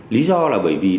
lý do là bởi vì